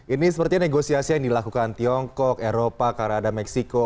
ini sepertinya negosiasi yang dilakukan tiongkok eropa kanada meksiko